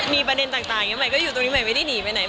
มีประเด็นต่างอยู่ตรงนี้ไม่ได้หนีไปไหน